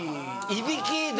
いびきで。